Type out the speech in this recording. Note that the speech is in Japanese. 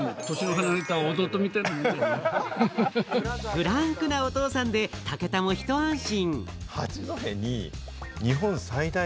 フランクなお父さんで武田もひと安心。